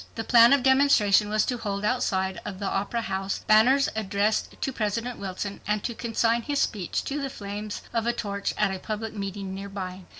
The plan of demonstration was to hold outside of the Opera House banners addressed to President Wilson, and to consign his speech to the flames of a torch at a public meeting nearby.